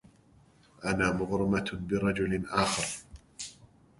أنا مغرمة برجل آخر.